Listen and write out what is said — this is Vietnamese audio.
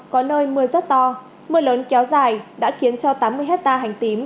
có nơi mưa rất to mưa lớn kéo dài đã khiến cho tám mươi hectare hành tím